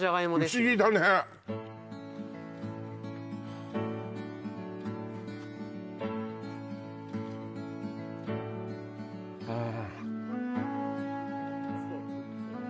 不思議だねああ